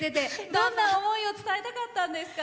どんな思いを伝えたかったんですか？